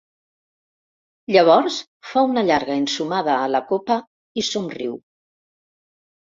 Llavors fa una llarga ensumada a la copa i somriu.